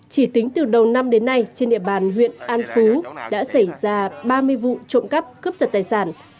chỉ tính từ đầu năm đến nay trên địa bàn huyện an phú đã xảy ra ba mươi vụ trộm cắp cướp giật tài sản